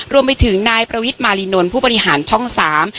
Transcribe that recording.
รวมไปถึงนายประวิทย์มารีนนท์ผู้บริหารช่องสาม